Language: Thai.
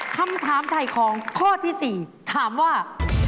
คำถามถ่ายของข้อที่๔ถามว่า